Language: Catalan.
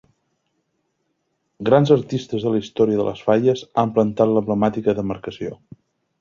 Grans artistes de la història de les Falles han plantat a l'emblemàtica demarcació.